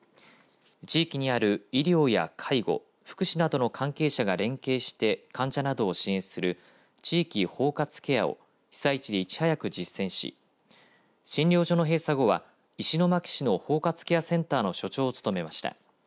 地域にある医療や介護福祉などの関係者が連携して患者などを支援する地域包括ケアを被災地で、いち早く実践し診療所の閉鎖後は石巻市の包括ケアセンターの所長を務めました。